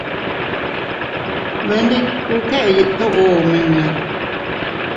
Bee ndikku keʼe yiʼi toʼo omiña.